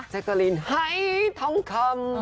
จั๊กรินไฮทองคำ